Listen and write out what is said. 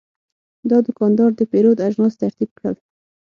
دا دوکاندار د پیرود اجناس ترتیب کړل.